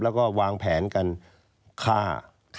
แล้วก็วางแผนกันฆ่า